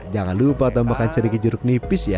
jangan lupa tambahkan sedikit jeruk nipis ya